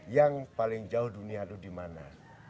yang paling jauh dunia itu dimana